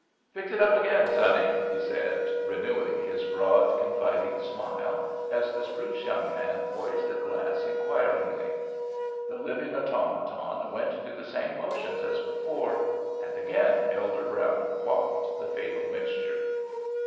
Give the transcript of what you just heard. "Fix it up again, sonny," he said, renewing his broad, confiding smile, as the spruce young man poised a glass inquiringly. The living automaton went through the same motions as before, and again Elder Brown quaffed the fatal mixture.